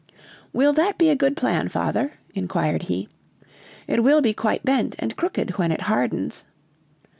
"Will that be a good plan, father?" inquired he, "it will be quite bent and crooked when it hardens."